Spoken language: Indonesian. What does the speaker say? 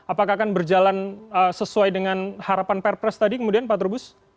apakah akan berjalan sesuai dengan harapan perpres tadi kemudian pak trubus